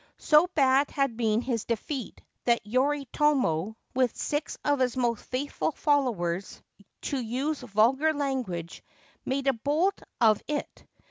So bad had been his defeat that Yoritomo, with six of his most faithful followers, to use vulgar language, made a bolt of it.